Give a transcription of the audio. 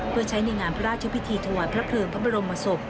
เพื่อใช้ในงานพระราชพิธีถวายพระเพลิงพระบรมศพ